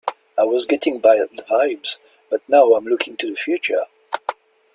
I was getting bad vibes, but now I'm looking to the future.